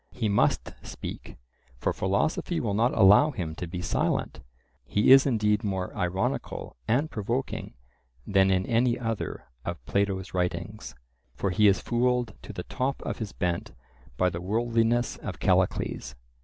He must speak, for philosophy will not allow him to be silent. He is indeed more ironical and provoking than in any other of Plato's writings: for he is "fooled to the top of his bent" by the worldliness of Callicles.